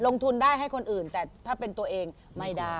ลงทุนได้ให้คนอื่นแต่ถ้าเป็นตัวเองไม่ได้